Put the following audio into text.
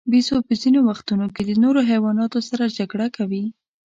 بیزو په ځینو وختونو کې د نورو حیواناتو سره جګړه کوي.